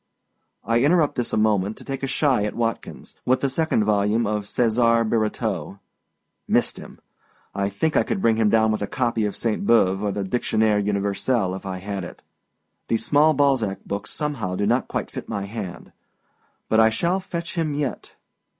I interrupt this a moment, to take a shy at Watkins with the second volume of Cesar Birotteau. Missed him! I think I could bring him down with a copy of Sainte Beuve or the Dictionnaire Universel, if I had it. These small Balzac books somehow do not quite fit my hand; but I shall fetch him yet.